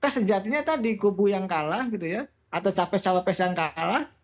sejatinya tadi gubu yang kalah atau capres cawapes yang kalah